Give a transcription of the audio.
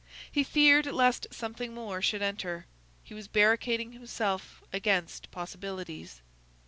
He feared lest something more should enter. He was barricading himself against possibilities.